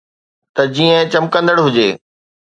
ته جيئن چمڪندڙ هجي.